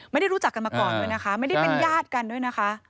ไม่ได้รู้จักกันมาก่อนด้วยนะคะไม่ได้เป็นญาติกันด้วยนะคะ